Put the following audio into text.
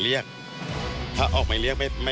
มีความรู้สึกว่ามีความรู้สึกว่า